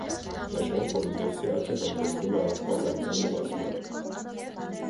Նշենք, որ ինդեքսի աճը հանգեցնում է անկման անկյան նվազման։